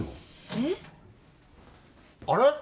えっ？あれ？